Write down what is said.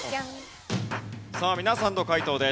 さあ皆さんの解答です。